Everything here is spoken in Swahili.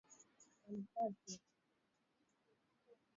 uzi wa wagombea ubunge nchini uganda kupitia chama cha nrm